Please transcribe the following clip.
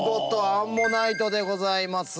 アンモナイトでございます。